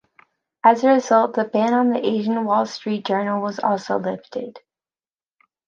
As a result, the ban on the "Asian Wall Street Journal" was also lifted.